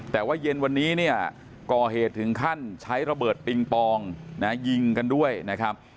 แต่ว่าเย็นวันนี้เนี่ยก่อเหตุถึงขั้นใช้ระเบิดปิงปองยิงกันด้วยนะครับ